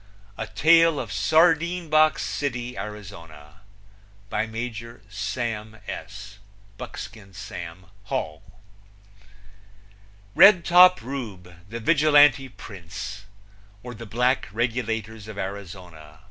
A tale of Sardine box City, Arizona. By Major Sam S. (Buckskin Sam) Hall. Redtop Rube, the Vigilante Prince; or, The Black Regulators of Arizona.